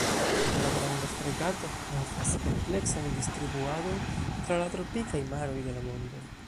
La Granda fregato havas ampleksan distribuadon tra la tropikaj maroj de la mondo.